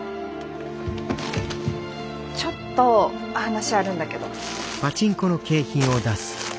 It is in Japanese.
ちょっと話あるんだけど。